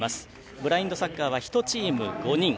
ブラインドサッカーは１チーム５人。